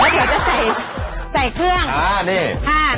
เดี๋ยวจะใส่เครื่อง